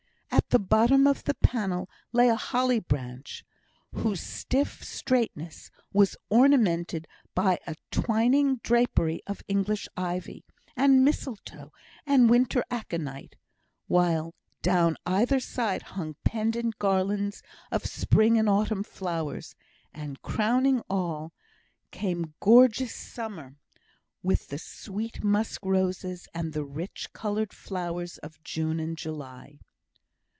At the bottom of the panel lay a holly branch, whose stiff straightness was ornamented by a twining drapery of English ivy and mistletoe and winter aconite; while down either side hung pendant garlands of spring and autumn flowers; and, crowning all, came gorgeous summer with the sweet musk roses, and the rich coloured flowers of June and July.